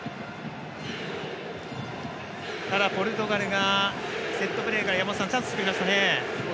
ただ、ポルトガルがセットプレーからチャンス作りましたね。